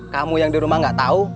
kamu yang di rumah gak tahu